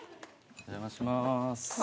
お邪魔します。